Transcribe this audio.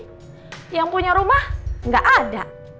mbak elsa punya rumah gak ada